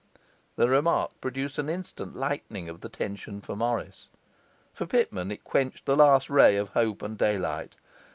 This remark produced an instant lightening of the tension for Morris. For Pitman it quenched the last ray of hope and daylight.